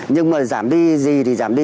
nhưng mà giảm đi gì thì giảm đi